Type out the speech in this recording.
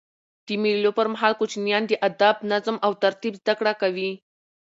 د مېلو پر مهال کوچنيان د ادب، نظم او ترتیب زدهکړه کوي.